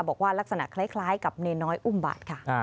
บอกว่าลักษณะคล้ายกับเนน้อยอุ้มบาทค่ะ